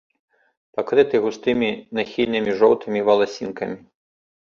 Пакрыты густымі нахільнымі жоўтымі валасінкамі.